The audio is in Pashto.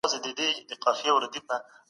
بې ځایه خبرې نه کېږي.